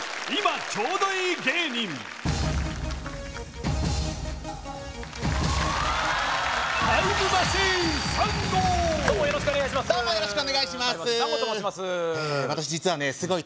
今ちょうどいい芸人どうもよろしくお願いします